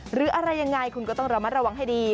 หรืออะไรยังไงคุณก็ต้องระมัดระวังให้ดี